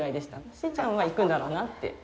しーちゃんは行くんだろうなって。